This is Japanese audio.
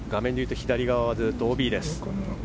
左側はずっとＯＢです。